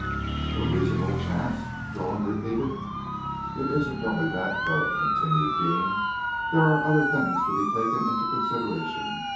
"A reasonable chance," Rowan repeated. "It isn't only that, though," continued Deane. "There are other things to be taken into consideration.